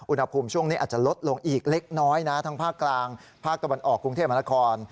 อุณหภูมิช่วงนี้อาจจะลดลงอีกเล็กน้อยนะทั้งภาคกลางภาคตะวันออกกรุงเทพมหานคร